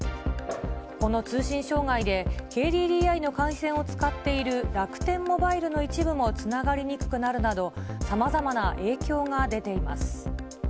この通信障害でＫＤＤＩの回線を使っている楽天モバイルの一部もつながりにくくなるなど、さまざまな影響が出ています。